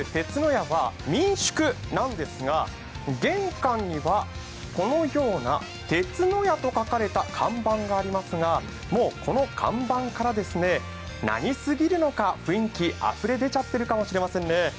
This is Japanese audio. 家は民宿なんですが玄関にはこのような「てつのや」と書かれた看板がありますがもう、この看板から、何すぎるのか雰囲気あふれ出ちゃってるかもしれませんね。